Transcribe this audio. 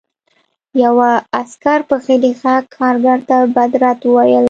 یوه عسکر په غلي غږ کارګر ته بد رد وویل